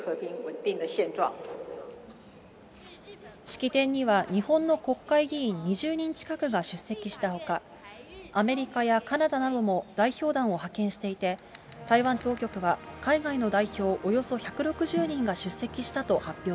式典には、日本の国会議員２０人近くが出席したほか、アメリカやカナダなども代表団を派遣していて、台湾当局は海外の代表